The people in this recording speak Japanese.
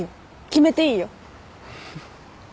決めていいよ。